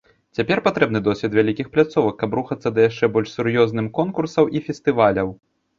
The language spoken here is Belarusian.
Цяпер патрэбны досвед вялікіх пляцовак, каб рухацца да яшчэ больш сур'ёзным конкурсаў і фестываляў.